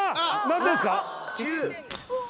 何点ですか？